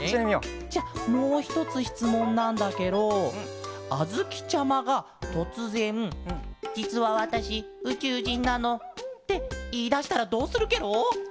じゃもうひとつしつもんなんだケロあづきちゃまがとつぜん「じつはわたしうちゅうじんなの」っていいだしたらどうするケロ？